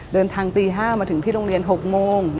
เดินทางตี๕มาถึงที่โรงเรียน๖โมง